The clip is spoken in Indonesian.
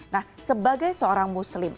nah sebagai seorang muslim